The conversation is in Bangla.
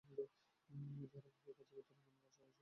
যারা ভাবে যে, কার্যক্ষেত্রে নামলেই সহায় আসবে, তারাই কার্য করে।